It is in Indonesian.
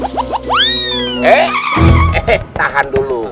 eh eh eh tahan dulu